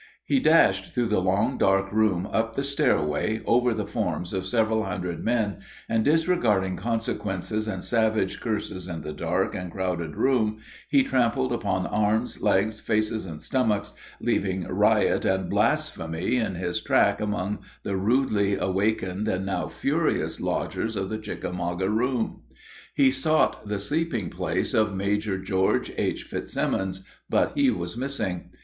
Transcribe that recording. He dashed through the long, dark room up the stairway, over the forms of several hundred men, and disregarding consequences and savage curses in the dark and crowded room, he trampled upon arms, legs, faces, and stomachs, leaving riot and blasphemy in his track among the rudely awakened and now furious lodgers of the Chickamauga room. He sought the sleeping place of Major George H. Fitzsimmons, but he was missing.